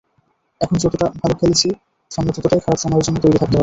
এখন যতটা ভালো খেলছি সামনে ততটাই খারাপ সময়ের জন্য তৈরি থাকতে হবে।